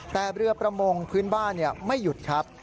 แต่เรือประมงพื้นบ้านไม่หยุดครับ